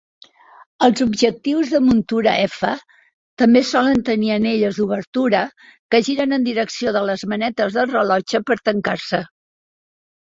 Els objectius de muntura F també solen tenir anelles d'obertura que giren en direcció de les manetes del rellotge per tancar-se.